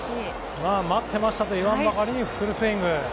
待ってましたと言わんばかりにフルスイング。